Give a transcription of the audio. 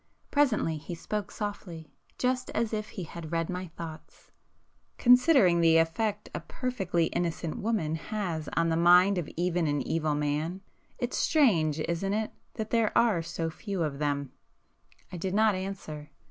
Presently he spoke softly, just as if he had read my thoughts. "Considering the effect a perfectly innocent woman has on the mind of even an evil man, it's strange, isn't it that there are so few of them!" I did not answer.